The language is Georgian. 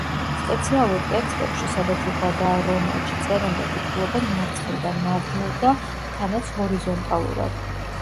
სპეციალურ ტექსტებში, სადაც უხვადაა რომაჯი, წერენ და კითხულობენ მარცხნიდან მარჯვნივ და თანაც ჰორიზონტალურად.